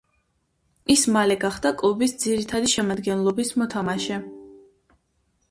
ის მალე გახდა კლუბის ძირითადი შემადგენლობის მოთამაშე.